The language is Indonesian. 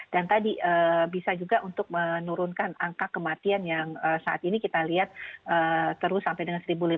dan tadi bisa juga untuk menurunkan angka kematian yang saat ini kita lihat terus sampai dengan satu lima ratus